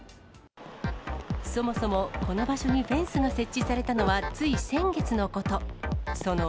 そもそもこの場所にフェンスが設置されたのは、つい先月のこと。